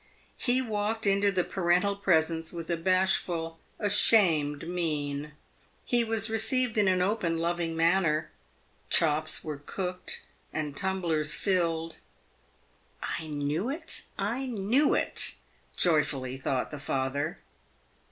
He walked into the parental presence with a bashful, ashamed mien. He was received in an open, loving manner. Chops w r ere cooked, and tumblers filled. " I knew it, I PAYED WITH GOLD. 379 knew it !" joyfully thought the father.